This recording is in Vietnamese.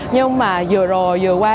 nhưng mà vừa rồi vừa qua